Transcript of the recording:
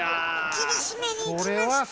厳しめにいきました。